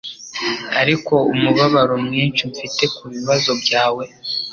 ariko umubabaro mwinshi mfite kubibazo byawe